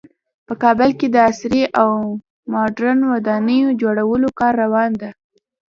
په کابل کې د عصري او مدرن ودانیو جوړولو کار روان ده